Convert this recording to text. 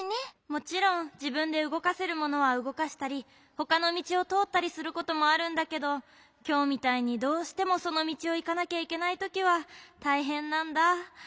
もちろんじぶんでうごかせるものはうごかしたりほかのみちをとおったりすることもあるんだけどきょうみたいにどうしてもそのみちをいかなきゃいけないときはたいへんなんだ。